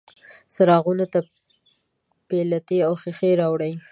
څراغونو ته پیلتې او ښیښې راوړي